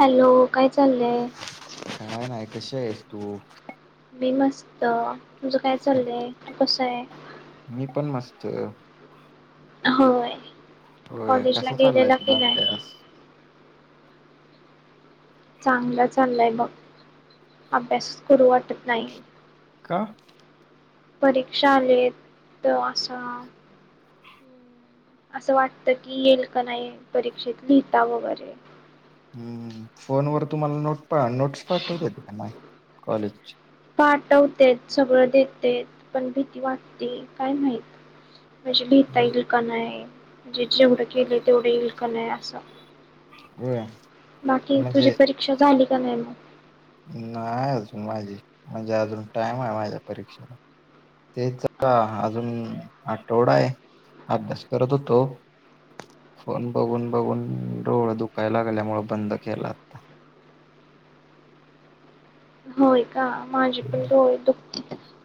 Hello काय चाललय काय नाही कशी आहेस तू मी मस्त तुझ काय चाललंय कसाये. त! होय. होय कॉलेजला कसा चाललाय गेलेला तुझा की नाही अभ्यास. चांगला चाललाय बघ, अभ्यासच करू वाटत नाही. का? परीक्षा आलीत त असं. असं वाटतं की येईल का नाही परीक्षेत लिहिता वगैरे हूं फोन वर तुम्हाला नोट पान नोट्स पाठवत्यात की नाय. कॉलेज पाठवतेेत सगळं देतेत, पण भीती वाटते काय माहित. म्हणजे लिहिता येईल का नाय म्हणजे जेवढं केलं तेवढं ईल का नाही असं. होय बाकी तुझी परीक्षा झाली. [unintelligible] नाय अजून माझी म्हणजे अजून टाइम आहे, माझ्या परीक्षेला तेच आता अजून आठवडा आहे अभ्यास करत होतो, फोन बघून बघून डोळ दुखाया लागल्यामुळ बंद केला आता. होय. का माझे पण डोळे दुख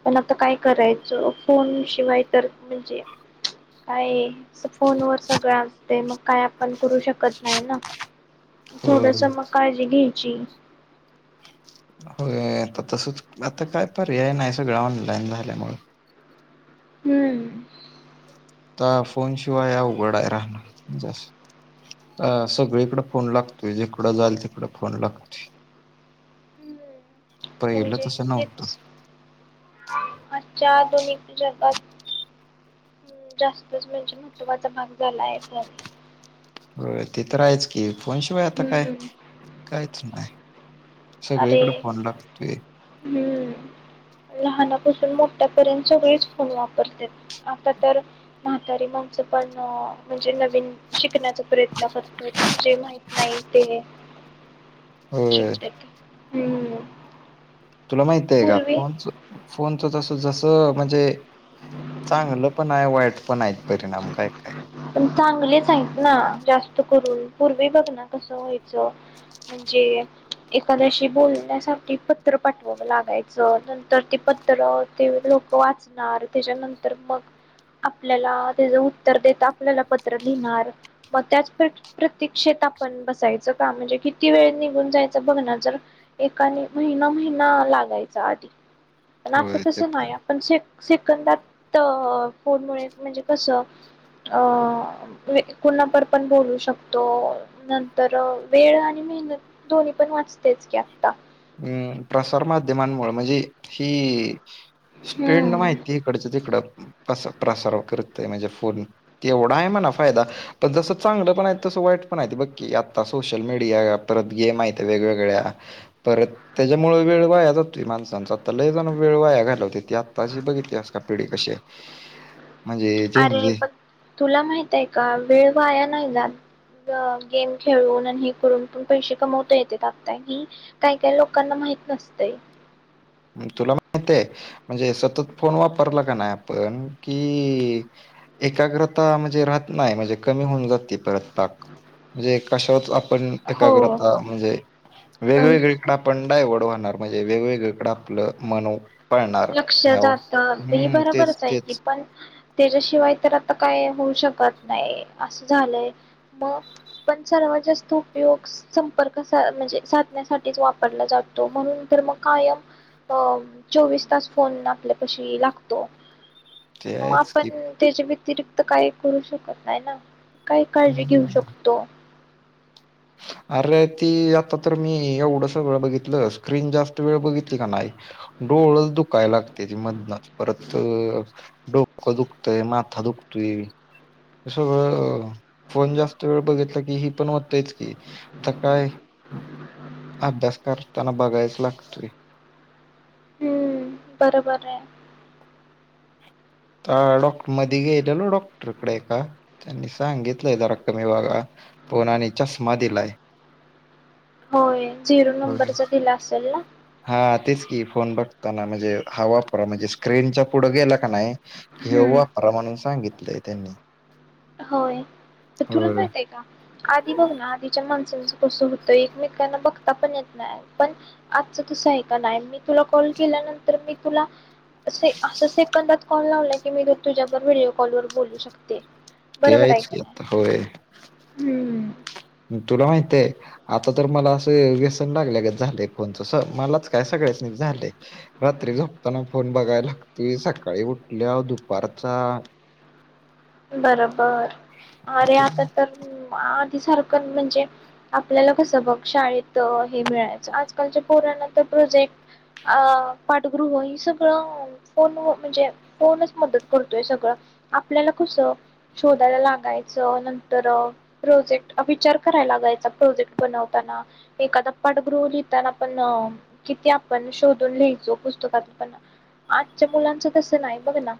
पण आता काय करायचं. फोन शिवाय तर म्हणजे काय फोन वर सगळं असते मग काय आपण करू शकत नाही ना होय थोडस मग काळजी घे ची! होय आता तसच, आता काय पर्याय नाही सगळ ऑनलाइन झाल्यामुळे. हूं! ता फोन शिवाय अवघड आहे राहण मंजे असं अ सगळीकड फोन लागतोय, जिकडं जाल तिकड फोन लागतोय. पहिलं म्हणजे तसं नव्हतं तेच आजच्या आधुनिक जगात जास्तच म्हणजे महत्त्वाचा भाग झालाय फोन. होय ते तर आहेच की. फोन शिवाय आता काय हम्म काहीच नाही. अरे सगळीकडे फोन लागतोय हूं लहान तसून मोठ्यापर्यंत सगळीच फोन वापरत्यात, आता तर म्हातारी माणसं पण अ म्हणजे नवीन शिकण्याचा प्रयत्न करतात, जे माहित नाही ते. होय शिकत्यात हूं! तुला माहित हे का फोनच, फोनच जस जसं म्हणजे चांगलं पण नाही वाईट पण आहेत परिणाम काय काय पण चांगलेच आहेत ना जास्त करून पूर्वी बघना कसं व्हायचं म्हणजे एखाद्याशी बोलण्यासाठी पत्र पाठवावं लागायचं नंतर ते पत्र ते लोक वाचणार त्याच्यानंतर मग आपल्याला त्याच उत्तर देत आपल्याला पत्र लिहिणार मग त्याच प्रतीक्षेत आपण बसायचं का म्हणजे किती वेळ निघून जायचं बघणार जर एकाने महिना महिना लागायचा आधी पण आता होय ते तसं पण नाही आपण शेप सेकंदात फोनमुळे म्हणजे कस अ कुणाबरोबर पण बोलू शकतो नंतर वेळ आणि मेहनत दोन्ही पण वाचतेच की आता प्रसार माध्यमांमुळे म्हणजे ही स्पीड ना हम्म माहिती इकडचं तिकडं प्रसार करत म्हणजे फोन एवढा आहे म्हणा फायदा पण जस चांगलं पण आहे तस वाईट पण आहे बघ की आता सोशल मीडिया परत गेम आहेत वेगवेगळ्या परत त्याच्यामुळे वेळ वाया जातो माणसांचा लय जाण वेळ वाया घालवतात आता अशी बघितली आहेस का पिढी कशी? म्हणजे झेन अरे झी पण तुला माहितय का वेळ वाया नाही जात. गेम खेळून आणि हे करून पण पैसे कमवता येते आता ही काही काही लोकांना माहित नसते. तुला माहितय म्हणजे सतत फोन वापरला का नाही आपण कि एकाग्रता म्हणजे राहत नाही म्हणजे कमी होऊन जाते परत पाक म्हणजे कशावर आपण हो एकाग्रता म्हणजे पण वेगवेगळीकडे आपण डायव्हर्ड होणार म्हणजे वेगवेगळीकडे आपलं मानव लक्ष जात ही तेच बरोबरच आहे की तेच पण त्याच्याशिवाय तर आता काय? होऊ शकत नाही अस झालंय मग पण सर्वात जास्त उपयोग संपर्क म्हणजे साधण्यासाठीच वापरला जातो म्हणून तर मग कायम अ चोवीस चौवीस तास फोन आपल्या पाशी लागतो. ते मग आहेच की आपण त्याच्या व्यतिरिक्त काही करू शकत नाही ना. काय काळजी घेऊ हम्म. शकतो? अरे ती आता तर मी एवढस वेळ बघितलं स्क्रीन जास्त वेळ बघितली का नाही डोळ दुखायला लागते ती म्हणताना परत डोकं दुखतय माथा दुखतोय सगळं फोन जास्त वेळ बघितला की ही पण होतंयच. आता काय अभ्यास करताना बघायच लागतो. हम्म बरोबर आहे. मध्ये गेलेलो डॉक्टरकडे का त्यांनी सांगितलंय जरा कमी बघा फोन आणि चष्मा दिला आहे. होय झिरो नंबरचा दिला असेल ना? हा तेच फोन बघताना म्हणजे हा वापरा म्हणजे स्क्रीनचा पुढं गेला का नाही किंवा हम्म वापरा म्हणून सांगितले. त्यांनी होय. अ तुला होय. माहिते का आधी बघ ना आधीच्या माणसाचं कसं हुतं एकमेकांना बघता पण येत नाय पण आजच तसं हाय का नाय मी तुला कॉल केल्यानंतर मी तुला असे असं सेकंदात कॉल लावला की मी तुझ्या बरोबर व्हिडिओ कॉल वर बोलू शकते. ते बरोबर आहे आहेच का की नाही होय हम्म तुला माहितेय आता तर मला असं व्यसन लागल्या गत झालय फोनच मलाच काय सगळ्यासणीस झालय रात्री झोपताना फोन बघाय लागतुय सकाळी उठल्यावर दुपारचा बरबर आरे ते आता तर मा ती सारखंन म्हणजे आपल्याला कस बघ शाळेत हे मिळायचं, आजकालच्या पोरांना तर प्रोजेक्ट अ पाठगृह ही सगळं फोन व म्हणजे फोनच मदत करतोय सगळं आपल्याला कसं शोधायला लागायचं नंतर प्रोजेक्ट विचार कराय लागायचा प्रोजेक्ट बनवताना, एखादा पाठगृह लिहताना पण किती आपण शोधून लिहयचो पुस्तकात, पण आजच्या मुलांच तसं नाही बघ ना.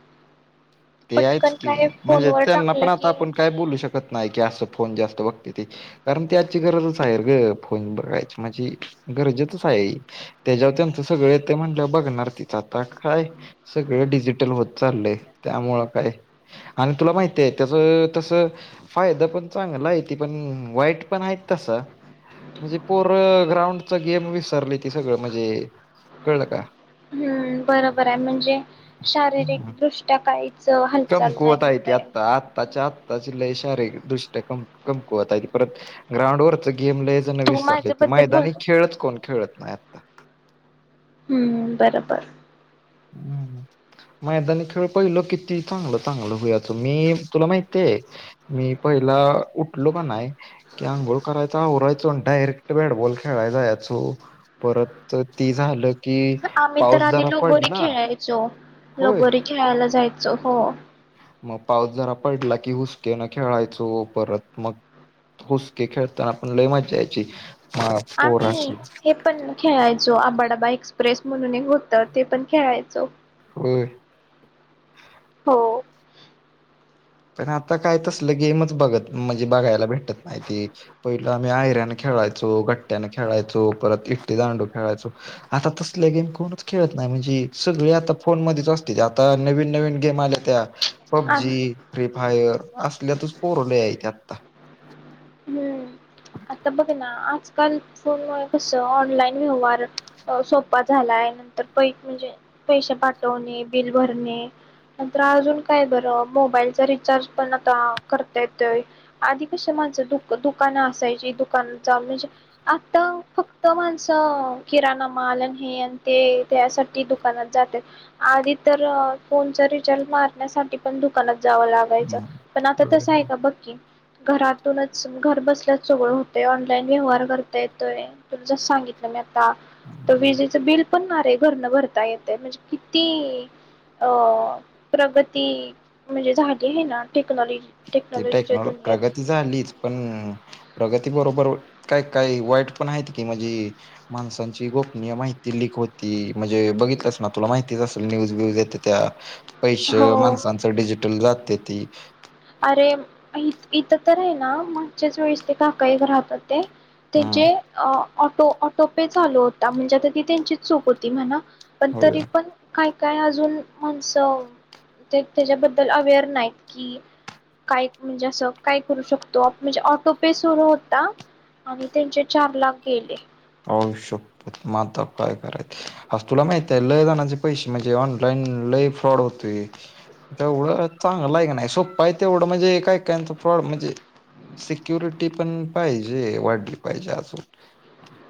ते आहेच. पटकन ते काय म्हणजे फोनवर त्यांना पण टाकलं आता की आपण काय बोलू शक नाय की असं फोन जास्त बघते ते कारण, ते आजची गरजच हायर ग फोन बघायची मजी गरजेचंच हाये. तेज्याव त्यांच सगळ ये म्हणल बघणार तिच आता काय सगळ डिजिटल होत चाललंय. त्यामुळं काय आणि तुला माहितीये त्याचं तस, फायदा पण चांगला आय ती पण, वाईट पण आहे तस म्हणजे पोरं ग्राउंडचा गेम विसरली ती सगळं म्हजे कळलं का? हूं बरोबर आय म्हणजे शारीरिक का दृष्ट्या काही कमकुवत आहे ते आत्ता आत्ताच्या आत्ताची लई शारे दृष्ट्या कम कमकुवत आहे ती परत ग्राउंड वरच गेम लय जण तू विसरल्याती माझ्याबद्दल बोल मैदानी खेळच, कोण खेळत नाय हूं बरोबर हूं मैदानी खेळ पयलं किती चांगलं, चांगलं व्हूयाचं मी तुला माहितेये मी पयला उठलो कनाय की आंघोळ करायचा आवरायचो. अन डायरेक्ट बॅटबॉल खेळाय जायाचो परत ती झालं कि पाऊस जरा गोरीे पडला खेळायचो. होय लगोरी खेळायला जायच हो मग पाऊस जरा पडला की हुसकेन खेळायचो परत, मग हुसके खेळताना पण लई मज्जा यायची. हा आम्ही पोरांची हे पण खेळायचो अब्बा डब्बा एक स्प्रेस म्हणून एक होतं ते पण खेळायचो. होय! हो! अन आता काय तसलं गेमच बघत म्हणजे बघायला भेटत नायति पयलं आम्ही आयऱ्यान खेळायचो, गट्ट्यान खेळायचो, परत इट्टी दांडू खेळायचो, आता तसल्या गेम कोणच खेळत नाय म्हणजी सगळे आता फोन मध्येच असत्याती आता नवीन नवीन गेम आल्या त्या आम- पब्जी फ्री फायर असल्यातच पोर लई आये ती आता हूं आता बघ ना आजकाल फोनमुळे कसं ऑनलाईन व्यवहार सोपा झालाय, नंतर पै म्हणजे पैसे पाटवणे बिल भरणे, नंतर अजून काय बरं मोबाईलचा रिचार्ज, पण आता करता येतोय आधी कशे माणस दु दुकानं असायची दुकानात जा म्हणजे आता फक्त माणसं किराणा माल, आणि हे आणि ते त्यासाठी दुकानात, जात्यात आधी तर फोनचा रिचार्ज मारण्यासाठी पण दुकानात. जावं लागायचं पण आता तसं आहे का बघ की? घरातूनच घर बसल्याचं सगळं होतय, ऑनलाईन व्यवहार करता येतोय, तुला जस सांगितलं मी आ त हम्म. विजेचं बिल पण मारे घरणं भरता येते म्हणजे किती, अ प्रगती म्हणजे झाली आहे ना. टक्नलॉज ती टेक्नॉलॉजीच्या टेक्नॉलॉ दुनियेत प्रगती झालीच पण प्रगती बरोबर काय काही वाईट पण आहेत की म्हणजे माणसांची गोपनीय माहिती लिक होती. म्हणजे बघितलंच ना तुला माहितीच असेल न्यूज व्यूज येत्यात्या. पैश हो माणसांचं डिजिटल जात तेति अरे इथं तर आहे ना मागच्याच वेळेस ते काका एक राहतात. ते हम्म त्यांचे ऑटो ऑटोपे चालो होता म्हणजे आता ती त्यांचीच चूक होती म्हणा. पण तरी पण काय काय अजून माणसं ते त्याच्याबद्दल अवेअर नाहीत कि काय म्हणजे असं काय करू शकतो म्हणजे ऑटोपे सुरू होता आणि त्यांचे चार लाख गेले. आईशपथ मग आता काय करायच, आ तुला माहित आहे लय जनांचे पैसे म्हणजे ऑनलाईन लय फ्रॉड होतेय. तेवढं चांगल हाय क नाही सोप्पा आहे तेवढं म्हणजे काय काय फ्रॉड म्हणजे सिक्युरिटी पण पाहिजे वाढली पाहिजे. अजून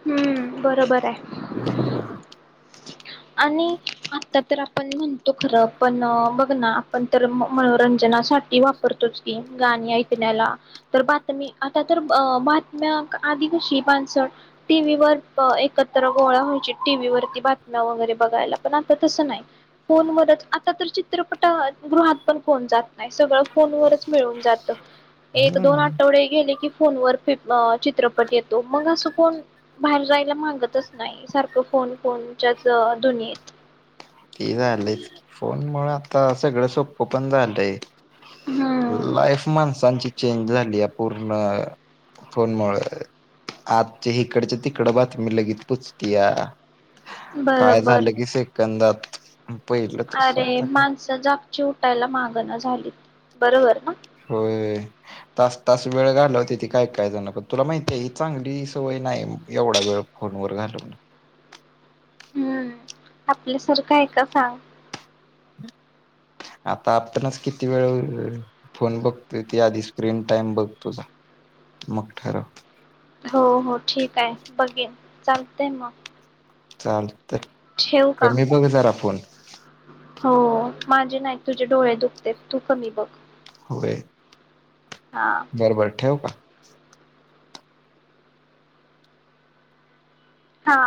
हम्म बरोबर आहे. [unintelligible] आणि आता तर आपण म्हणतो खरं पण बघ ना आपण तर मनोरंजनासाठी वापरतोच की गाणी ऐकण्याला तर बातमी आता तर बातम्या आधी कशी माणसं टीव्हीवर एकत्र गोळा व्हायची टीव्ही वरती बातम्या वगैरे बघायला, पण आता तसं नाही फोनवरच आता तर चित्रपट गृहात पण कोण जात नाही सगळं फोनवरच मिळून जात एक दोन हम्म आठवडे गेले की की फोन वर चित्रपट येतो मग असं कोण बाहेर जायला मागतच नाही सारखं फोन फोनच्याच दुनियेत. ते झालंय फोन मुळ आता सगळं सोप पण झालंय. हम्म लाईफ माणसांची चेंज झाली या पूर्ण फोन मुळ, आजच्या हिकडच्या तिकड बातमी लगेत पुचतिया. काय बरोबर झालं की सेकंदात पहिलं तस अरे आता माणसं जप चि उटायला मागणं झालीत होय. तास तास वेळ घालवतेती काय काय जण, तुला माहिती आहे ही चांगली सवय नाही एवढा वेळ फोन वर घालवणं. हम्म आपल्यासारखं आहे का सांग. आता आपणच किती वेळ फोन बघतोय ती आधी स्क्रीन टाइम बघ तुझा मग ठरव. हो हो ठीक आहे बघेन, चालतयं मग चाल ठेवू का कमी बघ जरा फोन हो माझे नाही तुझे डोळे दुखतेत तू कमी बघ व्हय हा बरबर ठेवू का. [unintelligible] हा